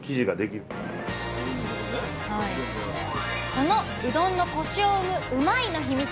このうどんのコシを生むうまいッ！のヒミツ。